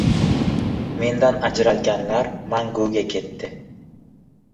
Mendan ajralganlar manguga ketadi